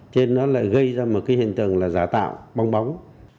thế nó lại gây ra một cái hình tượng là giá tạo bong bóng